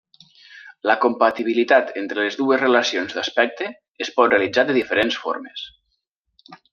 La compatibilitat entre les dues relacions d'aspecte es pot realitzar de diferents formes.